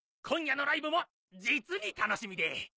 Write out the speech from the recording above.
今夜のライブも実に楽しみで。